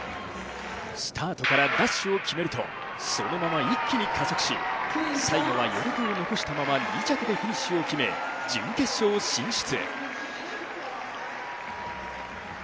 スタートからダッシュを決めるとそのまま一気に加速し、最後は余力を残したまま２着でフィニッシュを決め準決勝進出。